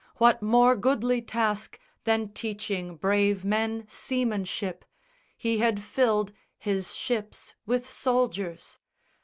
What more goodly task Than teaching brave men seamanship?" He had filled His ships with soldiers!